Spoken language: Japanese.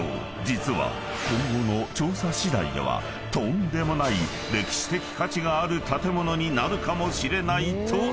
実は今後の調査しだいではとんでもない歴史的価値がある建物になるかもしれないというのだ］